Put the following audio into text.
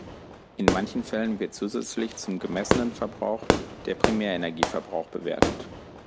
In manchen Fällen wird zusätzlich zum gemessenen Verbrauch der Primärenergieverbrauch bewertet.